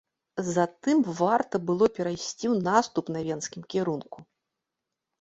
Затым варта было перайсці ў наступ на венскім кірунку.